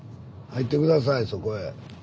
入って下さいそこへ。